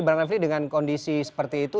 bang refli dengan kondisi seperti itu